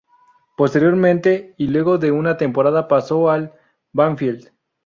Posteriormente y luego de una temporada paso al Banfield.